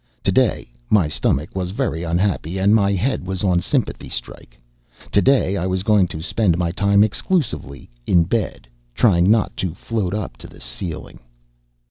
Today, my stomach was very unhappy, and my head was on sympathy strike. Today, I was going to spend my time exclusively in bed, trying not to float up to the ceiling.